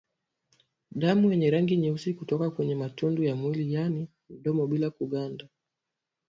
Damu yenye rangi nyeusi kutoka kwenye matundu ya mwili yaani mdomo bila kuganda